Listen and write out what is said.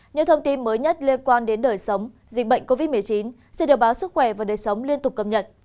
những thông tin mới nhất liên quan đến đời sống dịch bệnh covid một mươi chín sẽ được báo sức khỏe và đời sống liên tục cập nhật